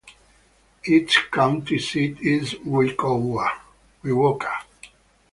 Its county seat is Wewoka.